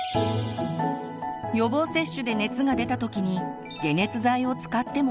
予防接種で熱が出たときに解熱剤を使ってもいいの？